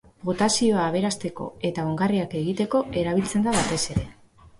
Potasioa aberasteko eta ongarriak egiteko erabiltzen da batez ere.